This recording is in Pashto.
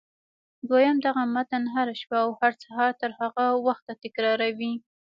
دويم دغه متن هره شپه او هر سهار تر هغه وخته تکراروئ.